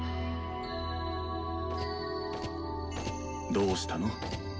どうしたの？